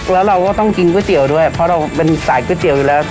แล้วเราก็ต้องกินก๋วยเตี๋ยวด้วยเพราะเราเป็นสายก๋วยเตี๋ยวอยู่แล้ว